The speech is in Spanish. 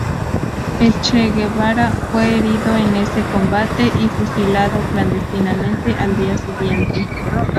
El Che Guevara fue herido en ese combate y fusilado clandestinamente al día siguiente.